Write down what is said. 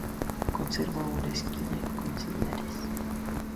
Conserva una esquina con sillares.